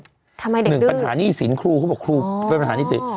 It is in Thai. ทำไมเด็กหนึ่งปัญหาหนี้สินครูเขาบอกครูเป็นปัญหาหนี้สิน